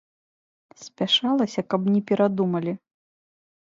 Спяшалася, каб не перадумалі.